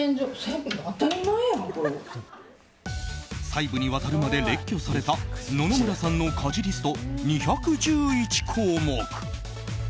細部にわたるまで列挙された野々村さんの家事リスト２１１項目。